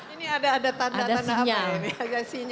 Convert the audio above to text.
ini ada tanda tanda apa ya ini